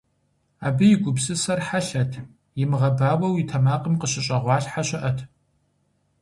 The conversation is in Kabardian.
Абы и гупсысэр хьэлъэт, имыгъэбауэу и тэмакъым къыщыщӀэгъуалъхьэ щыӀэт.